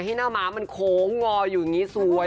ให้หน้ามามันโค้งงออยู่อย่างนี้สวยตลอดเวลา